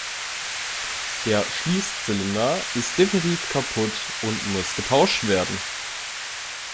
Der Schließzylinder ist definitiv kaputt und muss getauscht werden.